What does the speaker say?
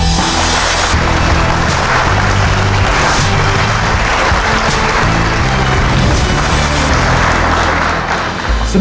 เป้าหมาย